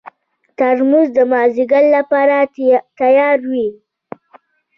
ترموز د مازدیګر لپاره تیار وي.